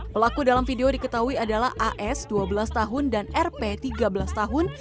pelaku dalam video diketahui adalah as dua belas tahun dan rp tiga belas tahun